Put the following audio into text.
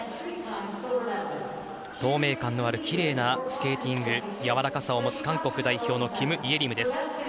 透明感のあるきれいなスケーティングやわらかさを持つ韓国代表のキム・イェリム。